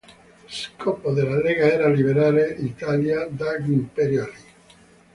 Scopo della lega era liberare l'Italia dagli imperiali.